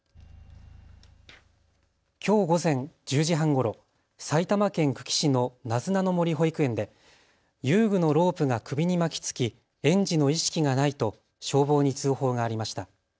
きょう午前１０時半ごろ、埼玉県久喜市のなずなの森保育園で遊具のロープが首に巻きつき園児の意識がないと消防に通報がありました。